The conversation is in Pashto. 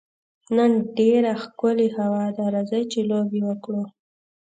نن ډېره ښکلې هوا ده، راځئ چي لوبي وکړو.